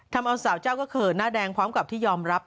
ทำเอาสาวเจ้าก็เขินหน้าแดงพร้อมกับที่ยอมรับ